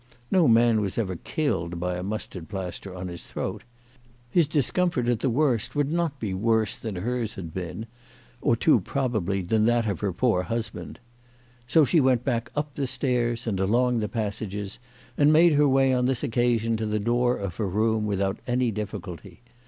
No man was ever killed by a mustard plaster on his throat. His discomfort at the worst would not be worse than hers had been or too probably than that of her poor hus band. So she went back up the stairs and along the passages, and made her way on this occasion to the door of her room without any difficulty.